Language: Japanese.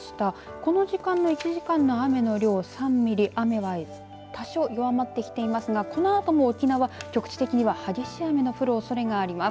この時間の１時間の雨の量３ミリ雨は多少弱まってきていますがこのあとも沖縄は局地的の激しい雨の降るおそれがあります。